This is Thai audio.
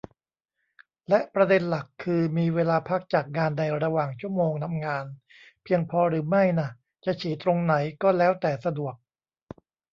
และประเด็นหลักคือ มีเวลาพักจากงานในระหว่างชั่วโมงทำงานเพียงพอหรือไม่น่ะ จะฉี่ตรงไหนก็แล้วแต่สะดวก